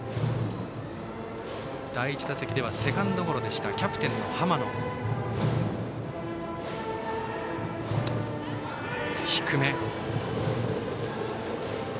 第１打席ではセカンドゴロでしたキャプテンの濱野がバッター。